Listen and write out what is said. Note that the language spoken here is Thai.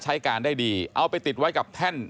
ใช้การได้ดีเอาไปติดไว้กับแท่น